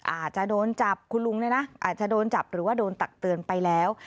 อาจจะโดนจับคุณลุงเนี่ยนะอาจจะโดนจับหรือว่าโดนตักเตือนไปแล้ว